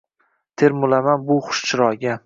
Termulaman bu xush chiroyga